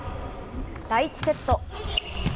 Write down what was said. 第１セット。